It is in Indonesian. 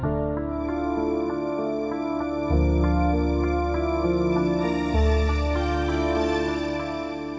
masak di puncak